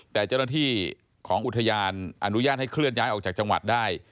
แต่เจ้าหน้าที่ของอุทยานอนุญาตให้เคลื่อนย้ายออกจากจังหวัดได้